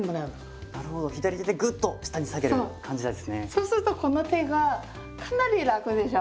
そうするとこの手がかなり楽でしょ？